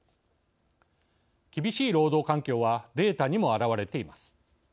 厳しい労働環境はデータにも表れています。